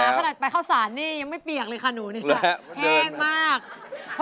ถ้าไปเข้าศาลนี่ยังไม่เปียกเลยค่ะหนูนี่ค่ะ